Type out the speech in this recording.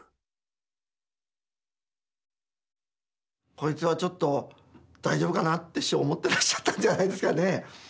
「こいつはちょっと大丈夫かな」って師匠思ってらっしゃったんじゃないですかねえ。